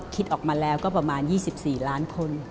คิดออกมาแล้วก็ประมาณ๒๔ล้านคน